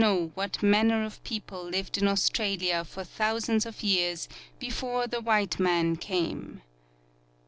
29 6 FOREWORD what manner of people lived in Australia for thou sands of years before the white man came.